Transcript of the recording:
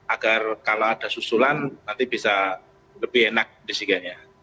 agar kalau ada susulan nanti bisa lebih enak disiganya